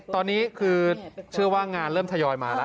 ตอนนี้คือเชื่อว่างานเริ่มทยอยมาแล้ว